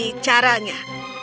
dan begini caranya